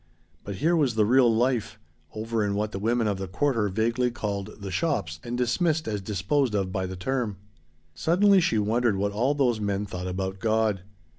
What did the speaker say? But here was the real life over in what the women of the quarter vaguely called "the shops," and dismissed as disposed of by the term. Suddenly she wondered what all those men thought about God.